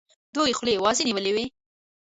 دوی خولې وازي نیولي وي.